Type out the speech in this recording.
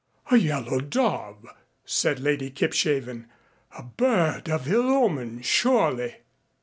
"A yellow dove!" said Lady Kipshaven. "A bird of ill omen, surely."